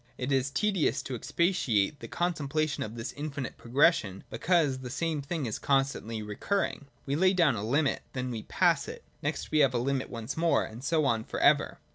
It is tedious to expatiate in the contemplation of this infinite pro gression, because the same thing is constantly recurring. We lay down a limit : then we pass it : next we have a limit once more, and so on for ever.